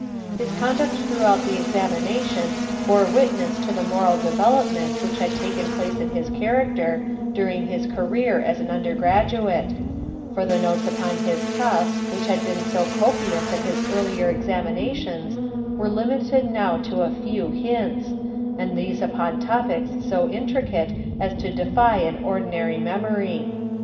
His conduct throughout the examination bore witness to the moral development which had taken place in his character during his career as an undergraduate; for the notes upon his cuffs which had been so copious at his earlier examinations were limited now to a few hints, and these upon topics so intricate as to defy an ordinary memory.